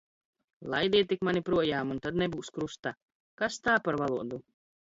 Laidiet tik mani projām, un tad nebūs krusta. Kas tā par valodu!